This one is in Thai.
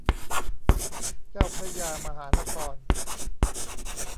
เจ้าพระยามหานคร